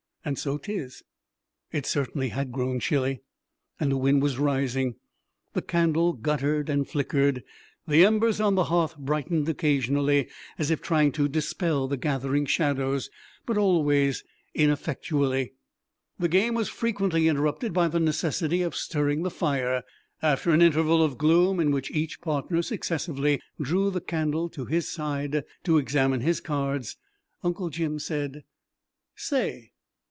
and so 'tis!" It certainly had grown chilly, and the wind was rising. The candle guttered and flickered; the embers on the hearth brightened occasionally, as if trying to dispel the gathering shadows, but always ineffectually. The game was frequently interrupted by the necessity of stirring the fire. After an interval of gloom, in which each partner successively drew the candle to his side to examine his cards, Uncle Jim said: "Say?"